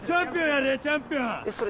『チャンピオン』やれ！